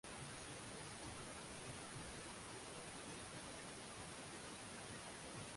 Pia alifanya mageuzi makubwa ya kiuchumi pamoja na kuimarisha